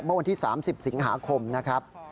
เมื่อวันที่๓๐สิงหาคมนะครับ